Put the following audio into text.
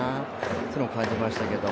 そういうものを感じましたけど。